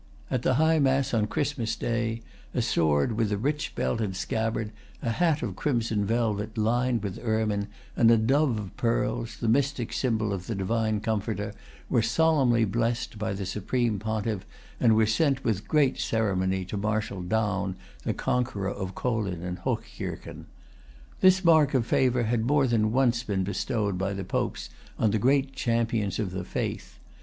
At the high mass on Christmas Day, a sword with a rich belt and scabbard, a hat of crimson velvet lined with ermine, and a dove of pearls, the mystic symbol of the Divine Comforter, were solemnly blessed by the supreme pontiff, and were sent with great ceremony to Marshal Daun, the conqueror of Kolin and Hochkirchen. This mark of favor had more than once been bestowed by the Popes on the great champions of the faith.